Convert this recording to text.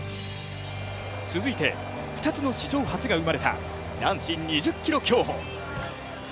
続いて２つの史上初が生まれた男子２０ｋｍ競歩。